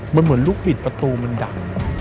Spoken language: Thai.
มันเหมือนลูกบิดประตูมันดัง